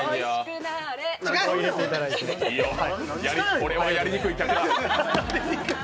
これはやりにくい客だ。